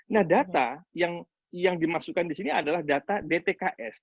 nah data yang dimasukkan disini adalah data dtks